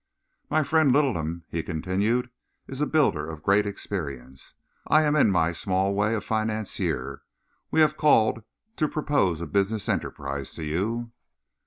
"My friend Littleham," he continued, "is a builder of great experience. I am, in my small way, a financier. We have called to propose a business enterprise to you."